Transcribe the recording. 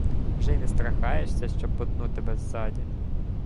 — Вже й не страхаєшся, що потну тебе ззаді.